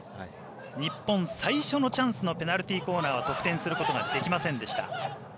日本、最初のチャンスのペナルティーコーナーは得点することができませんでした。